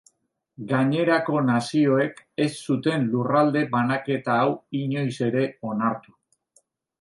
Gainerako nazioek ez zuten lurralde banaketa hau inoiz ere onartu.